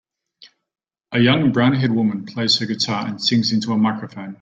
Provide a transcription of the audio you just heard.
A young brownhaired woman plays her guitar and sings into a microphone.